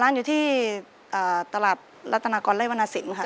อ๋อร้านอยู่ที่ตลาดลัตนากรไล่วนาศิลป์ค่ะ